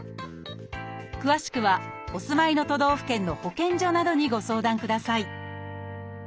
詳しくはお住まいの都道府県の保健所などにご相談ください